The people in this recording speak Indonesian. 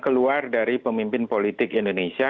keluar dari pemimpin politik indonesia